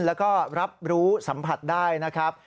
แล้วก็รับรู้สัมผัสได้นะครับ